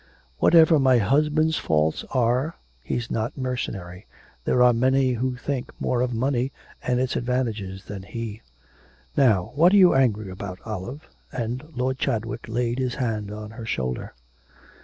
'Whatever my husband's faults are, he's not mercenary. There are many who think more of money and its advantages than he.' 'Now, what are you angry about, Olive?' and Lord Chadwick laid his hand on her shoulder.